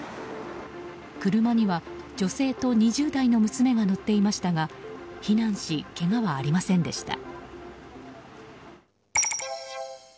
車には女性と２０代の娘が乗っていましたが避難し、けがはありませんでした。